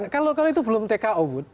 kalau itu belum tko bu